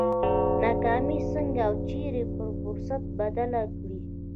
ناکامي څنګه او چېرې پر فرصت بدله کړي؟